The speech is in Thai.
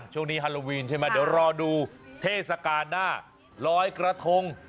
ช่วงนี้ฮาโลวีนใช่มั้ยเดี๋ยวรอดูเทศกาลหน้า๑๐๐กระทง